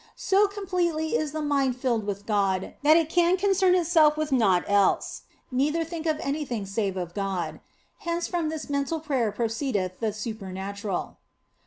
So completely is the mind filled with God that it can concern itself with naught else, neither think of anything save of God. Hence from this mental prayer proceedeth the super natural.